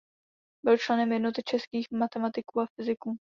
Byl členem Jednoty českých matematiků a fyziků.